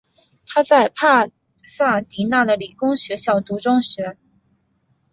他在帕萨迪娜的理工学校读中学。